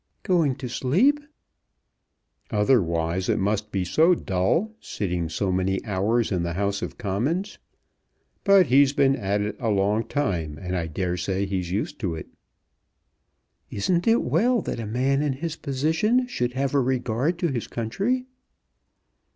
"Going to sleep?" "Otherwise it must be so dull, sitting so many hours in the House of Commons. But he's been at it a long time, and I dare say he's used to it." "Isn't it well that a man in his position should have a regard to his country?"